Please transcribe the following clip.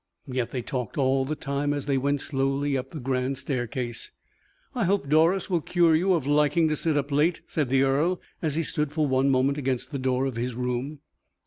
Yet they talked all the time as they went slowly up the grand staircase. "I hope Doris will cure you of liking to sit up late," said the earl, as he stood for one moment against the door of his room.